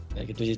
ya gitu sih